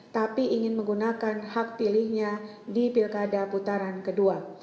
tapi ingin menggunakan hak pilihnya di pilkada putaran kedua